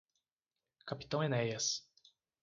Capitão Enéas